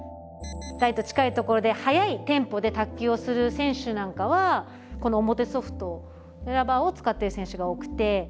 台と近い所で速いテンポで卓球をする選手なんかはこの表ソフトラバーを使っている選手が多くて。